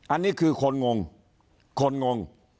อันนี้คือคนงง